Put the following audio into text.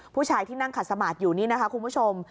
ผู้ชายที่นั่งขัดสมาธิอยู่นี่นะคะคุณผู้ชม